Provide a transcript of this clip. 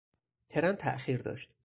ترن تاخیر داشت.